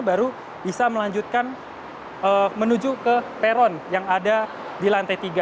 baru bisa melanjutkan menuju ke peron yang ada di lantai tiga